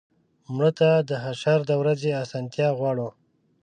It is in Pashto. مړه ته د حشر د ورځې آسانتیا غواړو